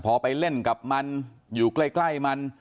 พอไปเล่นกับมันอยู่ใกล้มัน